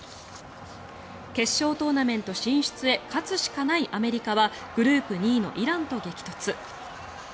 決勝トーナメント進出へ勝つしかないアメリカはグループ２位のイランと激突。